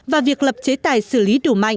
và việc lập chế tài xử lý đủ mạnh